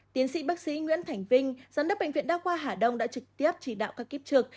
tiến sĩ bác sĩ nguyễn thành vinh giám đốc bệnh viện đa khoa hà đông đã trực tiếp chỉ đạo các kiếp trực